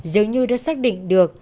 dường như đã xác định được